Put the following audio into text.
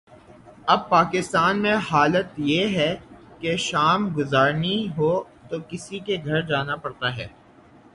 اب پاکستان میں حالت یہ ہے کہ شام گزارنی ہو تو کسی کے گھر جانا پڑتا ہے۔